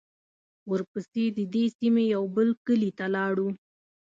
ورپسې د دې سیمې یوه بل کلي ته لاړو.